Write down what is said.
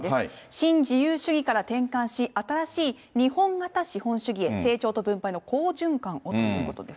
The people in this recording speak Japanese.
新自由主義から転換し、新しい日本型資本主義へ、成長と分配の好循環をということです。